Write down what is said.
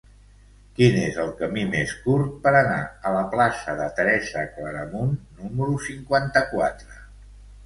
Quin és el camí més curt per anar a la plaça de Teresa Claramunt número cinquanta-quatre?